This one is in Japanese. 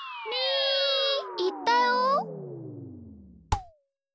ーいったよ！